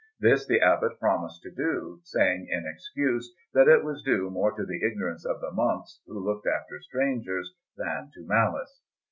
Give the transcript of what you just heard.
This the Abbot promised to do, saying in excuse that it was due more to the ignorance of the monks who looked after strangers than to malice.